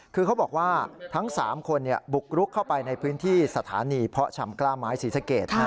คือเขาบอกว่าทั้ง๓คนบุกรุกเข้าไปในพื้นที่สถานีเพาะชำกล้าไม้ศรีสเกต